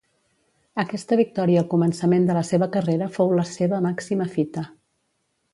Aquesta victòria al començament de la seva carrera fou la seva màxima fita.